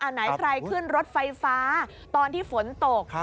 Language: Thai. ไหนใครขึ้นรถไฟฟ้าตอนที่ฝนตก